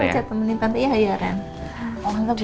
sini aja temenin tante iya ya ren